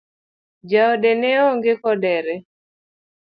Jaode neonge kodere?